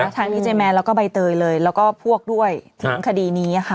ทั้งดีเจแมนแล้วก็ใบเตยเลยแล้วก็พวกด้วยถึงคดีนี้ค่ะ